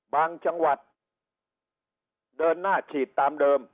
บางจังหวัดเดินหน้าฉีดตามเดิม